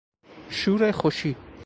شور خوشی